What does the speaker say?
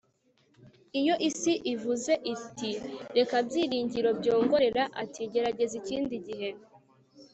iyo isi ivuze iti: reka, byiringiro byongorera ati: gerageza ikindi gihe